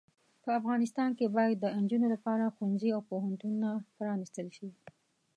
په افغانستان کې باید د انجونو لپاره ښوونځې او پوهنتونونه پرانستل شې.